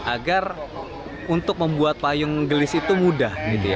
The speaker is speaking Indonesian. agar untuk membuat payung gelis itu mudah